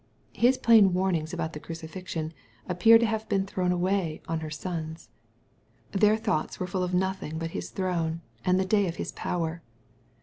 His plain warnings about the crucifixion, appear to have been thrown away on her sons. Their thoughts were full of nothing but His throne, and the day of His power.